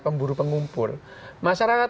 pemburu pengumpul masyarakat